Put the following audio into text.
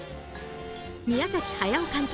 宮崎駿監督